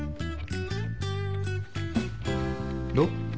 どう？